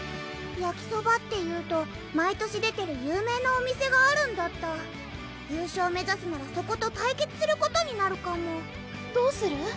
やきそばっていうと毎年出てる有名なお店があるんだった優勝目指すならそこと対決することになるかもどうする？